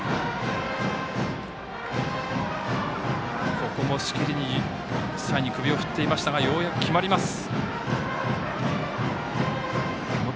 ここも、しきりに首を振っていましたがようやく決まりました。